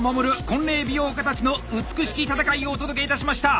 婚礼美容家たちの美しき戦いをお届けいたしました！